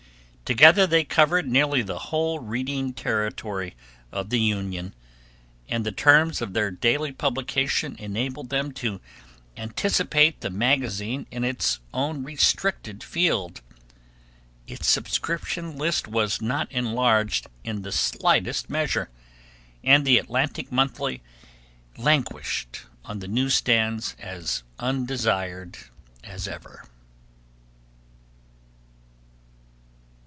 Together they covered nearly the whole reading territory of the Union, and the terms of their daily publication enabled them to anticipate the magazine in its own restricted field. Its subscription list was not enlarged in the slightest measure, and The Atlantic Monthly languished on the news stands as undesired as ever.